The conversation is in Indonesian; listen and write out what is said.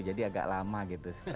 jadi agak lama gitu